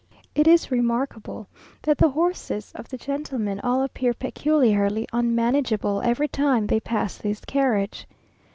It is remarkable that the horses of the gentlemen all appear peculiarly unmanageable every time they pass this carriage.